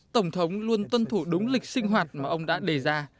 tổng thống luôn tuân thủ đúng lịch sinh hoạt mà ông đã đề ra